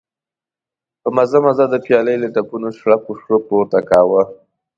په مزه مزه د پيالې له تپونو شړپ شړوپ پورته کاوه.